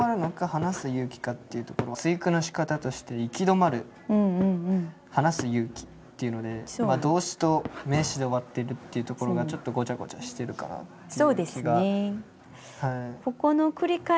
「離す勇気か」っていうとこの対句のしかたとして「行き止まる」「離す勇気」っていうので動詞と名詞で終わってるっていうところがちょっとごちゃごちゃしてるかなっていう気が。